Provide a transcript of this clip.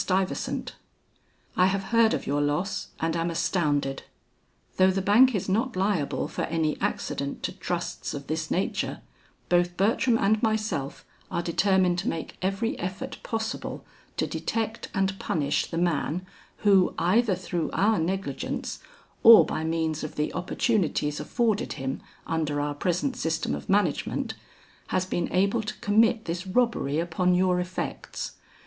STUYVESANT: "I have heard of your loss and am astounded. Though the Bank is not liable for any accident to trusts of this nature, both Bertram and myself are determined to make every effort possible, to detect and punish the man who either through our negligence, or by means of the opportunities afforded him under our present system of management, has been able to commit this robbery upon your effects.